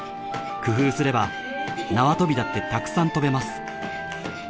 工夫すれば縄跳びだってたくさん跳べます。